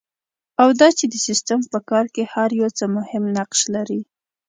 او دا چې د سیسټم په کار کې هر یو څه مهم نقش لري.